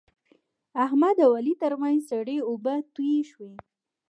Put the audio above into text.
د احمد او علي ترمنځ سړې اوبه تویې شوې.